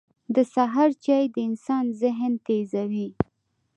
• د سهار چای د انسان ذهن تیزوي.